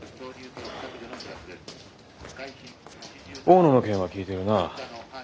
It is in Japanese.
大野の件は聞いているな？